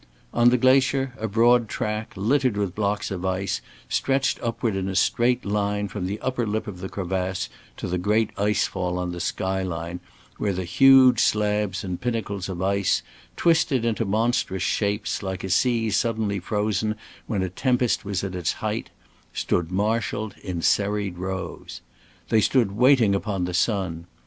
On the glacier, a broad track, littered with blocks of ice, stretched upward in a straight line from the upper lip of the crevasse to the great ice fall on the sky line where the huge slabs and pinnacles of ice, twisted into monstrous shapes, like a sea suddenly frozen when a tempest was at its height, stood marshaled in serried rows. They stood waiting upon the sun.